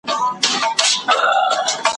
شپه او ورځ په یوه بل پسي لګیا وي ,